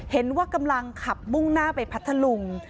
เห็นว่ากำลังขับมุ่งหน้าไปพัทธลุง